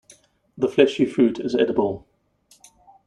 The fleshy fruit is edible.